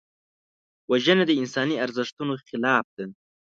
وژنه د انساني ارزښتونو خلاف ده